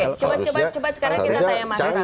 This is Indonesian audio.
oke coba coba sekarang kita tanya mas